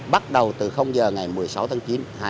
bắt đầu từ giờ ngày một mươi sáu tháng chín hai nghìn một mươi sáu